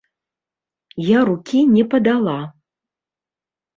Я рукі не падала.